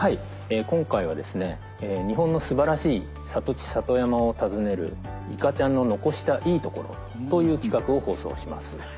今回は日本の素晴らしい里地里山を訪ねる「いかちゃんの残したいトコロ」という企画を放送します。